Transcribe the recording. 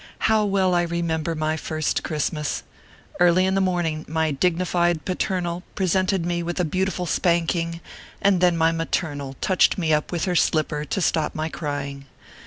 How well I remember my first Christmas ! Early in the morning, my dignified paternal pre sented me with a beautiful spanking, and then my maternal touched me up with her slipper to stop my crying.